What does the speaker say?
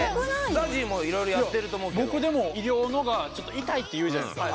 ＺＡＺＹも色々やってると思うけどいや僕でも医療のがちょっと痛いっていうじゃないですか